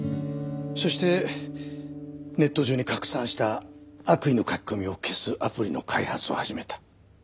そしてネット上に拡散した悪意の書き込みを消すアプリの開発を始めた。